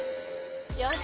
よし。